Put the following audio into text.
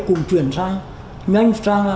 cũng chuyển nhanh sang